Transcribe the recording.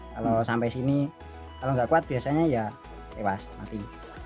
kalau sampai sini kalau nggak kuat biasanya ya tewas mati